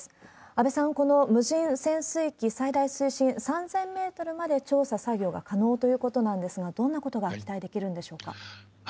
安倍さん、この無人潜水機、最大水深３０００メートルまで調査、作業が可能ということなんですが、どんなことが期待できるんでしょうか？